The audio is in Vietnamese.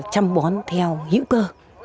chăm bón theo hữu cơ